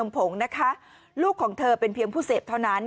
ผงนะคะลูกของเธอเป็นเพียงผู้เสพเท่านั้น